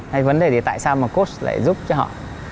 hay vấn đề tại sao mà coach lại giúp cho họ